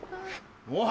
おい！